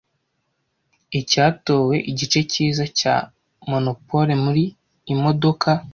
Icyatowe igice cyiza cya monopole muri Imodoka